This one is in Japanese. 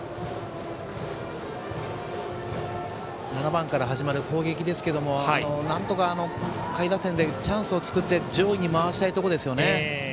７番から始まる攻撃ですけどもなんとか下位打線でチャンスを作って上位に回したいところですね。